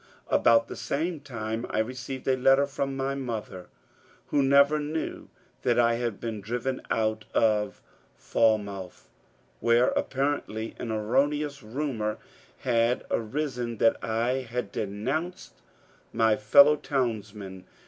About the same time I received a letter from my mother, who never knew that I had been driven out of Falmouth, where, apparently, an erroneous rumour had arisen that I had denounced my '' fellow townsmen."